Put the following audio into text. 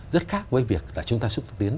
rất khác với việc là chúng ta xuất tiến